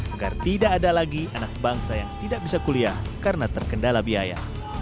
agar tidak ada lagi anak bangsa yang tidak bisa kuliah karena terkendala biaya